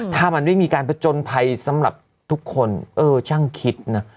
ถ้ามันไม่มีการผจญภัยสำหรับทุกคนเออช่างคิดนะ